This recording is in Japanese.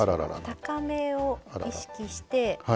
高めを意識して。